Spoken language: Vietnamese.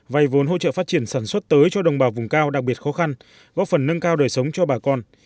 vay vốn hỗ trợ phát triển sản xuất tới cho đồng bào vùng cao đặc biệt khó khăn góp phần nâng cao đời sống cho bà con